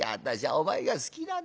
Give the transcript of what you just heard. お前が好きなんだ。